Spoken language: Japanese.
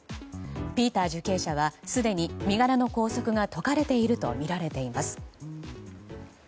ピーター受刑者はすでに身柄の拘束が解かれているとみられています。